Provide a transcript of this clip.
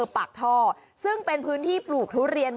ปากท่อซึ่งเป็นพื้นที่ปลูกทุเรียน